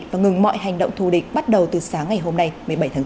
và ngừng mọi hành động thù địch bắt đầu từ sáng ngày hôm nay một mươi bảy tháng bốn